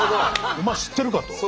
お前知ってるか？と。